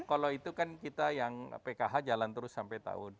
kalau itu kan kita yang pkh jalan terus sampai tahun dua ribu